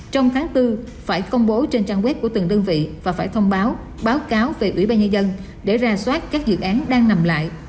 trong tháng bốn phải công bố trên trang web của từng đơn vị và phải thông báo báo cáo về ủy ban nhân dân để ra soát các dự án đang nằm lại